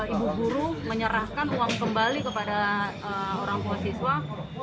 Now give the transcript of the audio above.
ibu guru menyerahkan uang kembali kepada orang puasiswa